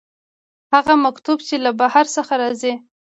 هغه مکتوب چې له بهر څخه راځي.